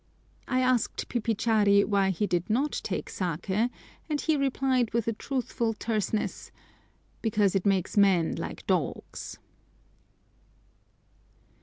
I asked Pipichari why he did not take saké, and he replied with a truthful terseness, "Because it makes men like dogs."